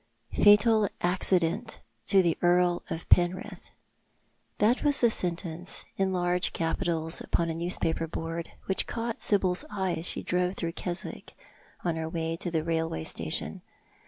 " Fatal Accident to the Earl of Penrith." That was the sentence — in large capitals upon a newspaper board — wliicli caught Sibyl's eye as she drove through Keswick on her way to the railway station.